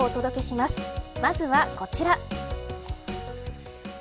まずはこちら。